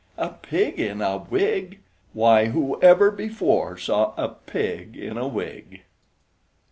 A pig in a wig! Why, whoever before saw a pig in a wig!